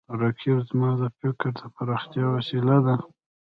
رقیب زما د فکر د پراختیا وسیله ده